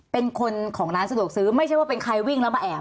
เป็นคนของร้านสะดวกซื้อไม่ใช่ว่าเป็นใครวิ่งแล้วมาแอบ